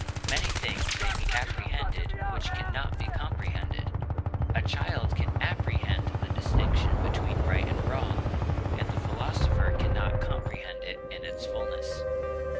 Many things may be apprehended which can not be comprehended; a child can apprehend the distinction between right and wrong, yet the philosopher can not comprehend it in its fulness.